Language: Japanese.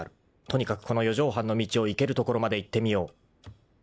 ［とにかくこの四畳半の道を行けるところまで行ってみよう］